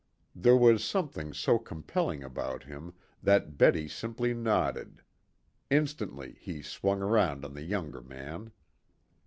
There was something so compelling about him that Betty simply nodded. Instantly he swung round on the younger man.